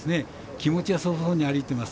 気持ちよさそうに歩いています。